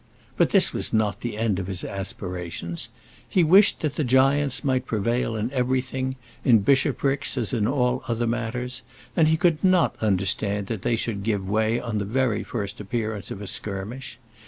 But this was not the end of his aspirations. He wished that the giants might prevail in everything, in bishoprics as in all other matters; and he could not understand that they should give way on the very first appearance of a skirmish.